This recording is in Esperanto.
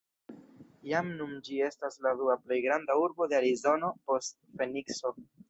Jam nun ĝi estas la dua plej granda urbo de Arizono, post Fenikso.